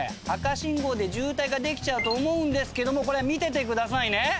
赤信号で渋滞ができちゃうと思うんですけどもこれ見ててくださいね。